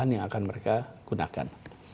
yang akan mereka gunakan